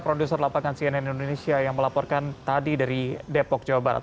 produser lapangan cnn indonesia yang melaporkan tadi dari depok jawa barat